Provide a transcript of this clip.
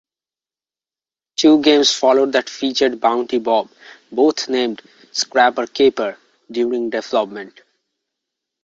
Two games followed that featured Bounty Bob, both named "Scraper Caper" during development.